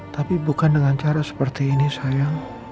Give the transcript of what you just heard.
tapi bukan dengan cara seperti ini sayang